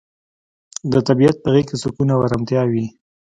د طبیعت په غیږ کې سکون او ارامتیا وي.